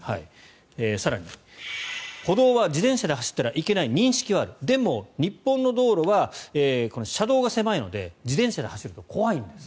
更に、歩道は自転車で走ったらいけない認識はあるでも、日本の道路は車道が狭いので自転車で走ると怖いんです。